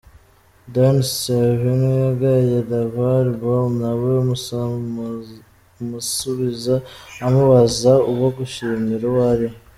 Dan Scavino yagaye LaVar Ball nawe amusubiza amubaza uwo gushimira uwo ari we.